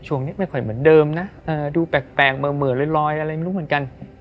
ช่วงนี้ไม่ค่อยเหมือนเดิมนะดูแปลกเหม่อลอยอะไรไม่รู้เหมือนกัน